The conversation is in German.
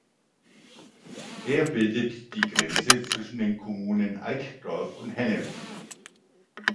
Er bildet die Grenze zwischen den Kommunen Eitorf und Hennef.